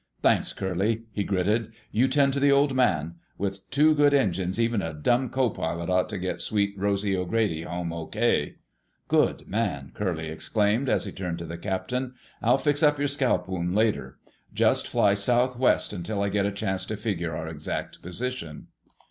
"Thanks, Curly," he gritted. "You tend to the Old Man.... With two good engines even a dumb co pilot ought to get Sweet Rosy O'Grady home okay." "Good man!" Curly exclaimed, as he turned to the captain. "I'll fix up your scalp wound later. Just fly southwest until I get a chance to figure our exact position."